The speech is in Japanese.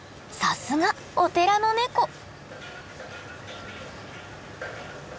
さすがお寺のネコ。